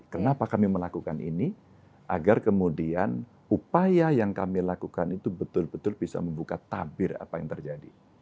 kenapa kami melakukan ini agar kemudian upaya yang kami lakukan itu betul betul bisa membuka tabir apa yang terjadi